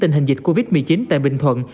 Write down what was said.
tình hình dịch covid một mươi chín tại bình thuận